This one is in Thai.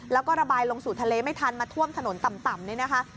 แล้วก็ระบายลงสู่ทะเลไม่ทันมาท่วมถนนต่ำนี่นะคะ